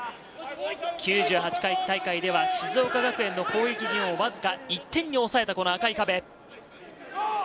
９８回大会では静岡学園の攻撃陣をわずか１点に抑えた赤い壁。